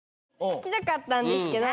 聞きたかったんですけど。